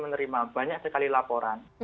menerima banyak sekali laporan